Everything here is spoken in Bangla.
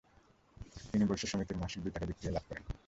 তিনি বৈশ্য সমিতির মাসিক দুই টাকা বৃত্তিও লাভ করেন।